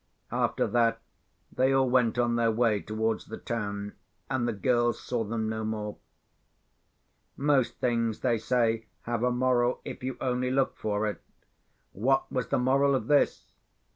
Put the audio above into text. After that, they all went on their way towards the town, and the girls saw them no more. Most things they say have a moral, if you only look for it. What was the moral of this?